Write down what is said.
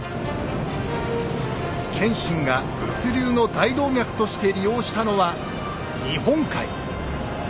謙信が物流の大動脈として利用したのは日本海。